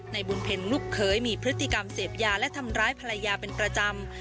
ในบุญเพ็ญลูกเคยมีพฤติกรรมเสพยาและทำร้ายภรรยาเป็นประจำ